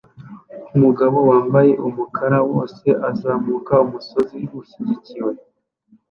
Umugabo wambaye umukara wose azamuka umusozi ushyigikiwe